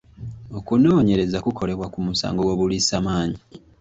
Okunoonyereza kukolebwa ku musango gw'obuliisamaanyi.